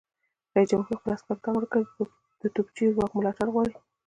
رئیس جمهور خپلو عسکرو ته امر وکړ؛ د توپچي ځواک ملاتړ وغواړئ!